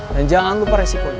dan jangan lupa resikonya